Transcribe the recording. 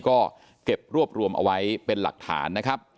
ก็เก็บรวบรวมเอาไว้เป็นหลักฐานนะครับ